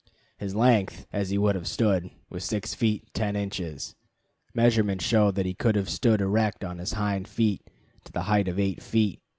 His length, as he would have stood, was 6 feet 10 inches. Measurements show that he could have stood erect on his hind feet to the height of 8 feet.